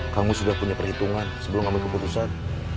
kang mus udah punya perhitungan sebelum kamu keputusan